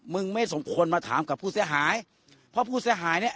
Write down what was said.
ไม่สมควรมาถามกับผู้เสียหายเพราะผู้เสียหายเนี้ย